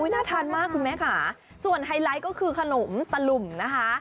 น่าทานมากคุณแม่ค่ะส่วนไฮไลท์ก็คือขนมตะหลุมนะคะ